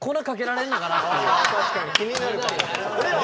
確かに気になるかも。